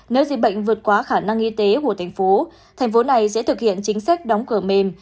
nếu dịch bệnh vượt quá khả năng y tế của thành phố thành phố này sẽ thực hiện chính sách đóng cửa mềm